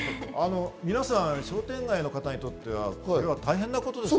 皆さん、商店街の方にとっては大変なことですよ。